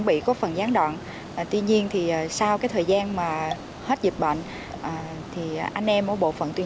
bị có phần gián đoạn tuy nhiên thì sau cái thời gian mà hết dịch bệnh thì anh em ở bộ phận tuyên